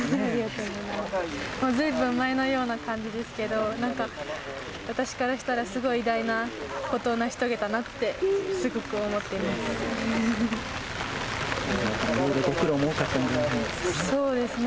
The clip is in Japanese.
ずいぶん前のような感じですけれども、なんか私からしたら、すごい偉大なことを成し遂げたなって、すごいろいろご苦労も多かったんそうですね。